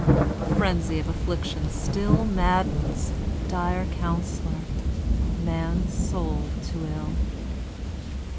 The frenzy of affliction still Maddens, dire counselor, man's soul to ill.